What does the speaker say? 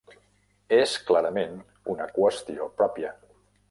És clarament una qüestió pròpia.